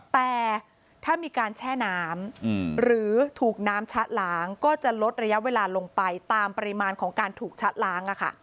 แต่ถ้ามีการแช่น้ำหรือถูกน้ำชะล้างก็จะลดระยะเวลาลงไปตามปริมาณของการถูกชะล้าง